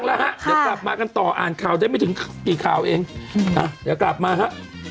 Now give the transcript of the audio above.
แล้วฮะเดี๋ยวกลับมากันต่ออ่านข่าวได้ไม่ถึงกี่ข่าวเองอ่ะเดี๋ยวกลับมาฮะ